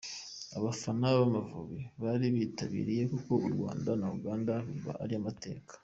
Abafana b’Amavubi bari bitabiriye kuko u Rwanda na Uganda biba ari amateka